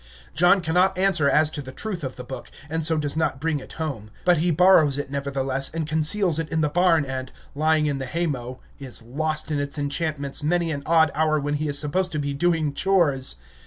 John cannot answer as to the truth of the book, and so does not bring it home; but he borrows it, nevertheless, and conceals it in the barn and, lying in the hay mow, is lost in its enchantments many an odd hour when he is supposed to be doing chores.